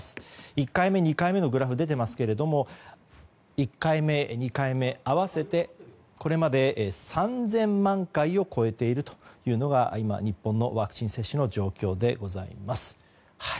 １回目２回目のグラフが出ていますけども１回目、２回目合わせてこれまでで３０００万回を超えているというのが今、日本のワクチン接種の状況でございます。